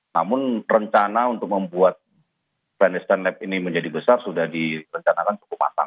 namun rencana untuk membuat veness dan lab ini menjadi besar sudah direncanakan cukup matang